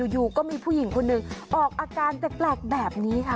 อยู่ก็มีผู้หญิงคนหนึ่งออกอาการแปลกแบบนี้ค่ะ